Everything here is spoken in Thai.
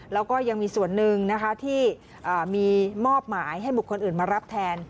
แล้วก็ยังมีส่วนหนึ่งนะคะที่มีมอบหมายให้บุคคลอื่นมารับแทน